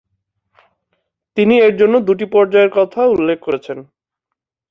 তিনি এর জন্য দুটি পর্যায়ের কথা উল্লেখ করেছেন।